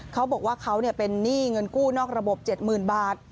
เขาบอกว่าเขาเป็นหนี้เงินกู้นอกระบบ๗๐๐๐บาท